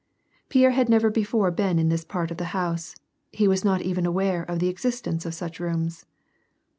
Pierre had never before been in this part of the house, he was not even aware of the existence of such rooms.